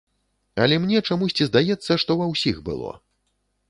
Але мне чамусьці здаецца, што ва ўсіх было.